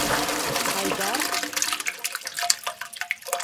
Айдар?